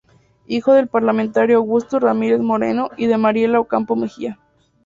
Hijo del parlamentario Augusto Ramírez Moreno y de Mariela Ocampo Mejía.